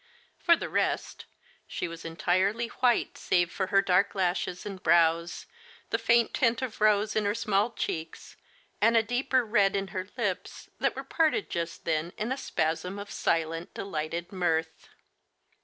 For the rest, she was entirely white save for her dark lashes and brows, the faint tint of rose in her small cheeks, and a deeper red in her lips that were parted just then in a spasm of silent, delighted mirth.